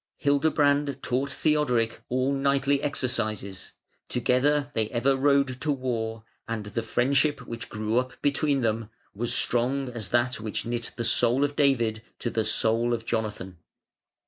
Hildebrand taught Theodoric all knightly exercises; together they ever rode to war, and the friendship which grew up between them was strong as that which knit the soul of David to the soul of Jonathan.